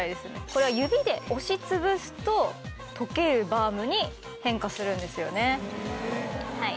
これは指で押し潰すと溶けるバームに変化するんですよね。